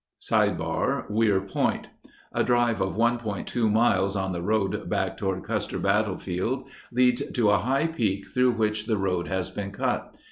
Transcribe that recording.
O Weir Point A drive of 1.2 miles on the road back toward Custer Bat tlefield leads to a high peak through which the road has been cut.